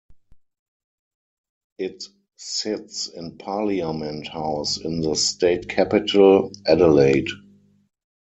It sits in Parliament House in the state capital, Adelaide.